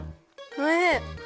おいしい！